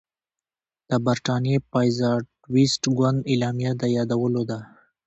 د برټانیې پازیټویسټ ګوند اعلامیه د یادولو ده.